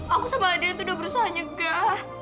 aku sama adel itu udah berusaha nyegah